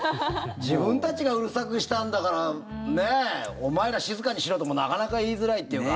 自分たちがうるさくしたんだからお前ら静かにしろともなかなか言いづらいっていうか。